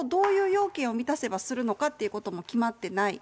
国葬をどういう要件を満たせばするのかっていうことも決まってない。